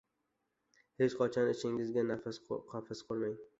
Hech qachon ichingizga qafas qurmang!